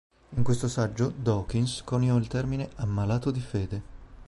In questo saggio, Dawkins coniò il termine "ammalato di fede".